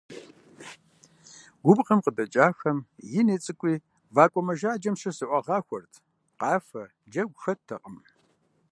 Губгъуэм къыдэкӀахэм ини цӀыкӀуи вакӀуэ мэжаджэм щыщ зыӀуагъахуэрт, къафэ, джэгу хэттэкъым.